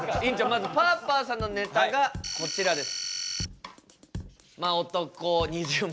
まずパーパーさんのネタがこちらです。